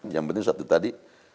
yang penting satu tadi